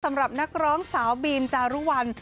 สำหรับนักร้องสาวบีมจารุวัล